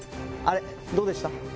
あれどうでした？